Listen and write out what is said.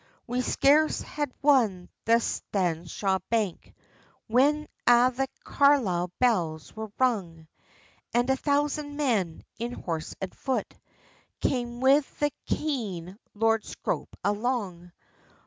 We scarce had won the Staneshaw bank, When a' the Carlisle bells were rung, And a thousand men, in horse and foot, Cam wi the keen Lord Scroope along.